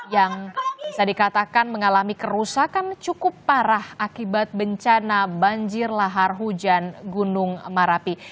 yang bisa dikatakan mengalami kerusakan cukup parah akibat bencana banjir lahar hujan gunung merapi